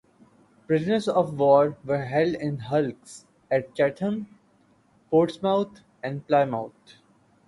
Prisoners of war were held in hulks at Chatham, Portsmouth and Plymouth.